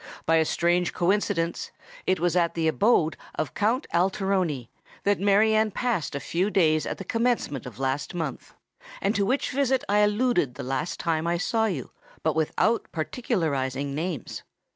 By a strange coincidence, it was at the abode of Count Alteroni that Mary Anne passed a few days at the commencement of last month, and to which visit I alluded the last time I saw you, but without particularising names.